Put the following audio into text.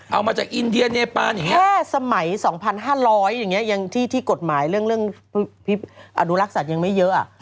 เอามาจากอินเดียเนปานแค่สมัย๒๕๐๐ที่กฎหมายเรื่องอดูลักษณ์ยังไม่เยอะ